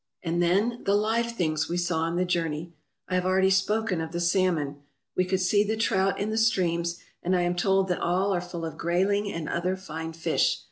And then the live things we saw on the journey. I have already spoken of the salmon. We could see the trout in the streams, and I am told that all are full of grayling and other fine fish.